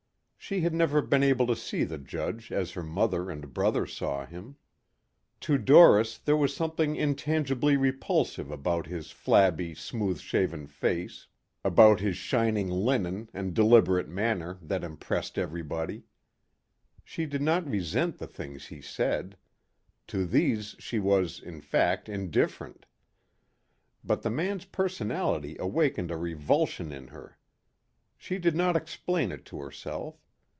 She had never been able to see the judge as her mother and brother saw him. To Doris there was something intangibly repulsive about his flabby, smooth shaven face, about his shining linen and deliberate manner that impressed everybody. She did not resent the things he said. To these she was, in fact, indifferent. But the man's personality awakened a revulsion in her. She did not explain it to herself.